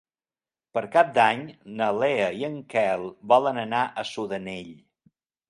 Per Cap d'Any na Lea i en Quel volen anar a Sudanell.